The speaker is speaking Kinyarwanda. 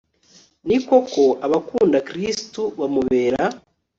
ni koko, abakunda kristu bamubera